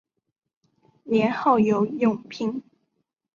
年号有永平。